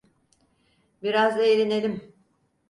Biraz eğlenelim!